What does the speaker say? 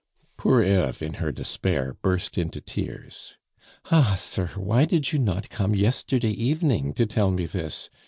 Poor Eve in her despair burst into tears. "Ah, sir! why did you not come yesterday evening to tell me this?